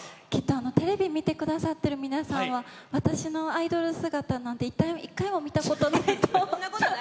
テレビを見てくださっている皆さんは私のアイドル姿を１回も見たことない。